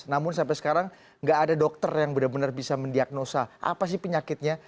namun sampai sekarang nggak ada dokter yang benar benar bisa mendiagnosa apa sih penyakitnya